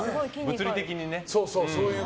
物理的にね。